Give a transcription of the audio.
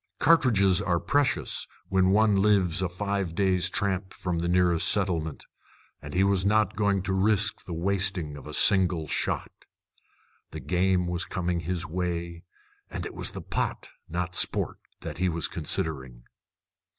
Cartridges are precious when one lives a five days' tramp from the nearest settlement; and he was not going to risk the wasting of a single shot. The game was coming his way, and it was the pot, not sport, that he was considering.